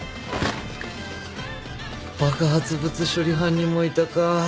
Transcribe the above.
爆発物処理班にもいたか。